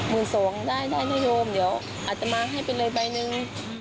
สองได้ได้นโยมเดี๋ยวอาจจะมาให้ไปเลยใบหนึ่ง